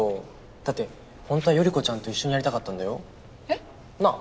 だってホントは頼子ちゃんと一緒にやりたかったんだよ。なぁ？